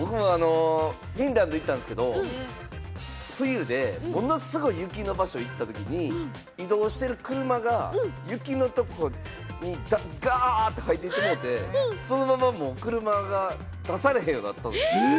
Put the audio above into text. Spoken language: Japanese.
フィンランドに行ったんですけれど、冬で、ものすごい雪の場所に行ったときに移動してる車が雪のところにガッて入ってしもて、そのまま車が出されへんようになったんですよ。